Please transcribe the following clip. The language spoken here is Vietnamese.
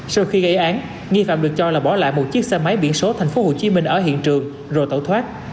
sau khi gây án nghi phạm được cho là bỏ lại một chiếc xe máy biển số tp hcm ở hiện trường rồi tẩu thoát